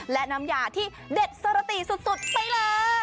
และน้ำยาที่เด็ดสระตีสุดไปเลย